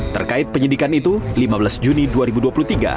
terkait penyidikan itu lima belas juni dua ribu dua puluh tiga